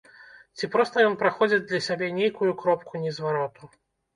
Ці проста ён праходзіць для сябе нейкую кропку незвароту.